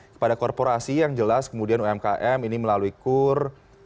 kepada korporasi yang jelas kemudian umkm ini melalui kur